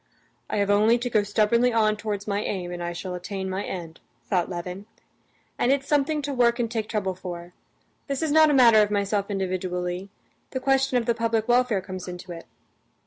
"I have only to go stubbornly on towards my aim, and I shall attain my end," thought Levin; "and it's something to work and take trouble for. This is not a matter of myself individually; the question of the public welfare comes into it.